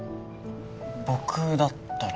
僕だったら？